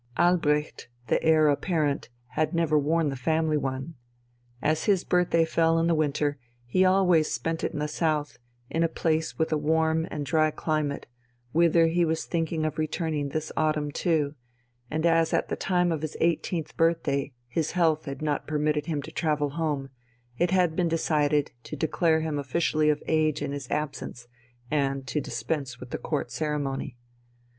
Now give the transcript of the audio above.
Albrecht, the Heir Apparent, had never worn the family one. As his birthday fell in the winter, he always spent it in the South, in a place with a warm and dry climate, whither he was thinking of returning this autumn too, and as at the time of his eighteenth birthday his health had not permitted him to travel home, it had been decided to declare him officially of age in his absence, and to dispense with the Court ceremony.